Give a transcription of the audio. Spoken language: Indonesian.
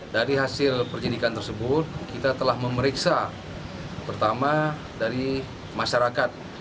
dari hasil penyelidikan tersebut kita telah memeriksa pertama dari masyarakat